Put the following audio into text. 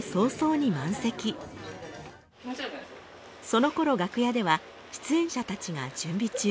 そのころ楽屋では出演者たちが準備中。